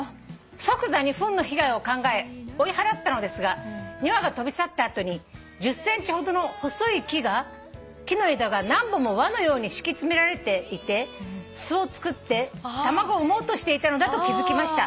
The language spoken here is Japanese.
「即座にふんの被害を考え追い払ったのですが２羽が飛び去った後に１０ｃｍほどの細い木の枝が何本も輪のように敷き詰められていて巣をつくって卵を産もうとしていたのだと気付きました」